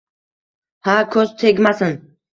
Ha-a, ko`z tegmasin